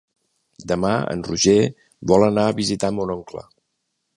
Demà en Roger vol anar a visitar mon oncle.